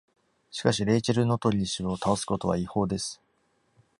しかし、レイチェル・ノトリー氏を倒すことは違法です。